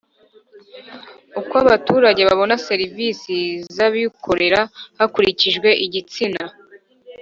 Uko abaturage babona serivisi z abikorera hakurikijwe igitsina